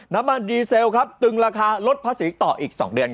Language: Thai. น้ำมันดีเซลครับตึงราคารสิตะอีก๒เดือนครับ